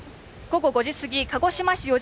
午後５時過ぎ、鹿児島市よ